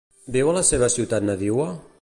Viu a la seva ciutat nadiua?